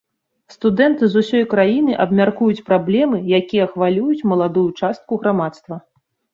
Студэнты з усёй краіны абмяркуюць праблемы, якія хвалююць маладую частку грамадства.